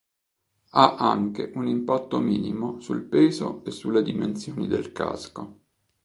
Ha anche un impatto minimo sul peso e sulle dimensioni del casco.